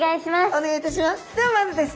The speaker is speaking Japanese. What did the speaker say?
お願いいたします。